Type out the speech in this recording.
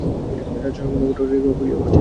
রাজা স্বয়ং নক্ষত্ররায়ের কক্ষে গিয়া উপস্থিত হইলেন।